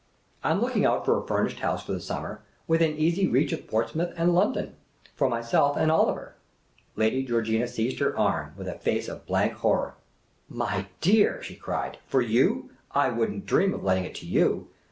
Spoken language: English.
"I 'm looking out for a furnished house for the summer, within easy reach of Portsmouth and London^ for myself and Oliver." Lady Georgina seized her arm, with a face of blank horror. " My dear I " she cried. " For you ! I would n't dream of letting it to you.